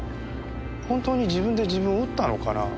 本当に自分で自分を撃ったのかな？